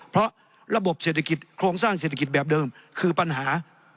เพราะระบบเศรษฐกิจโครงสร้างเศรษฐกิจแบบเดิมคือปัญหา